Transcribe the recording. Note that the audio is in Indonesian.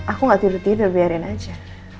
aku gak tidur tidur biarin aja